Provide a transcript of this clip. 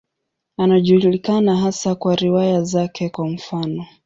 Anajulikana hasa kwa riwaya zake, kwa mfano.